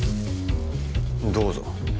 どうぞ。